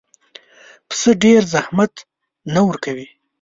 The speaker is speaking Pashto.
پسه ډېر زحمت نه ورکوي.